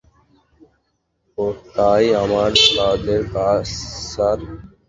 ওটাই আমাদের কাজ, স্যার।